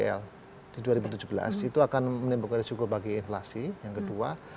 kenaikan tdl di dua ribu tujuh belas itu akan menimbulkan risiko bagi inflasi yang gede